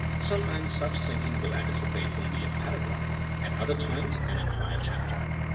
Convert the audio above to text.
Sometimes such thinking will antici pate only a paragraph, at other times an entire chapter.